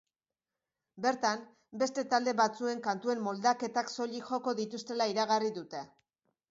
Bertan, beste talde batzuen kantuen moldaketak soilik joko dituztela iragarri dute.